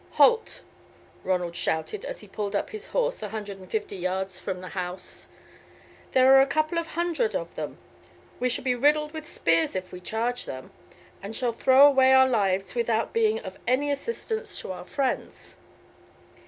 "Halt," Ronald shouted as he pulled up his horse a hundred and fifty yards from the house, "there are a couple of hundred of them; we shall be riddled with spears if we charge them, and shall throw away our lives without being of any assistance to our friends.